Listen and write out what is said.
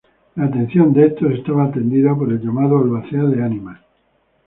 La atención de estos estaba atendida por el llamado albacea de ánimas.